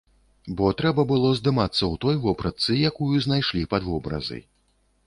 Бо трэба было здымацца ў той вопратцы, якую знайшлі пад вобразы.